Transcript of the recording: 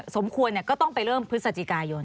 สมควรก็ต้องไปเริ่มพฤศจิกายน